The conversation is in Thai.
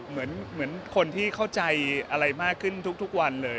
เหมือนคนที่เข้าใจอะไรมากขึ้นทุกวันเลย